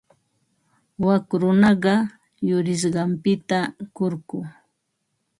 Wak runaqa yurisqanpita kurku.